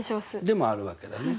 でもあるわけだね。